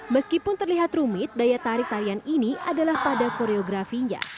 meskipun terlihat rumit daya tarik tarian ini adalah pada koreografinya